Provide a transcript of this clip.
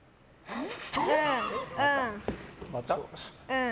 うん。